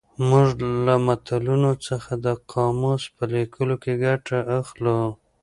موږ له متلونو څخه د قاموس په لیکلو کې ګټه اخلو